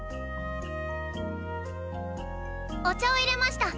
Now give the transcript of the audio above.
お茶をいれました！